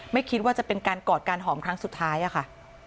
ไม่คิดว่าจะเป็นการกอดการหอมครั้งสุดท้ายอะค่ะ